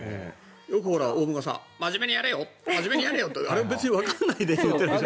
よくオウムが真面目にやれよってあれは別にわからないでやっているんでしょ。